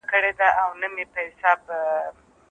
فکري تنوع د ټولني د ښکلا نښه ده.